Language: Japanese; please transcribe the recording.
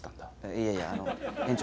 いやいやあの園長